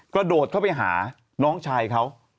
กระโดดเข้าไปหาน้องชายเขา